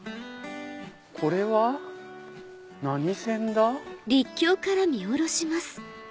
これは何線だ？